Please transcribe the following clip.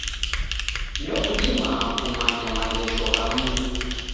Ndokudimaa kumanya maghesho gha mundu.